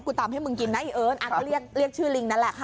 กูทำให้มรึงกินน่ะเฮิล